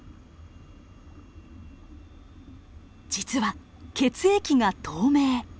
実は血液が透明。